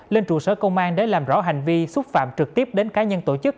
lên trụ sở công an để làm rõ hành vi xúc phạm trực tiếp đến cá nhân tổ chức